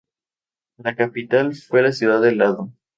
La capital fue la ciudad de Lado.